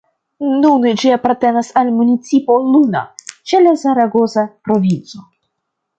Nune ĝi apartenas al municipo Luna, ĉe la Zaragoza provinco.